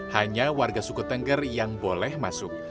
hanya warga suku tengger yang boleh masuk